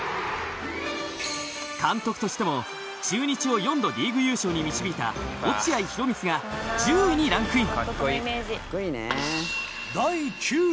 監督としても中日を４度リーグ優勝に導いた落合博満が１０位にランクイン。